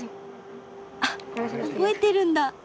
あっ覚えてるんだ。